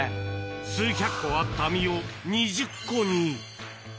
数百個あった実を２０個に。